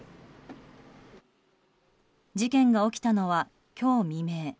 事件が起きたのは今日未明。